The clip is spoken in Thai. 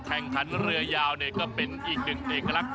แข่งขันเรือยาวก็เป็นอีกหนึ่งเอกลักษณ